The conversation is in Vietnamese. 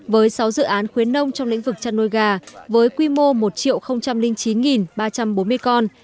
với sáu dự án khuyến nông trong lĩnh vực chăn nuôi gà với quy mô một chín ba trăm bốn mươi con